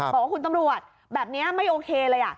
บอกว่าคุณตำรวจแบบนี้ไม่โอเคเลย